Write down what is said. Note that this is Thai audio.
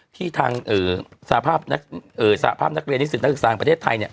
ที่ทางสหภาพนักเรียนศิษย์นักศึกษาประเทศไทย